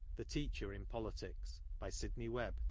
The Teacher in Politics. By Sidney Webb.